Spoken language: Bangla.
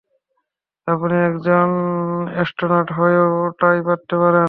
আপনি একজন অ্যাস্ট্রোনট হয়েও টাই বাঁধতে পারেন?